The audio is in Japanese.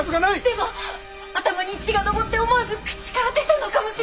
でも頭に血が上って思わず口から出たのかもしれません。